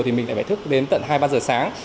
thì mình lại phải thức đến tận hai ba giờ sáng